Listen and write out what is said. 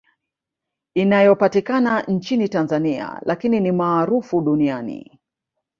Inayopatikana nchini Tanzania lakini ni maarufu duniani